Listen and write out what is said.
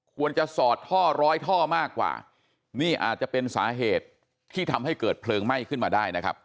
สอดท่อร้อยท่อมากกว่านี่อาจจะเป็นสาเหตุที่ทำให้เกิดเพลิงไหม้ขึ้นมาได้นะครับ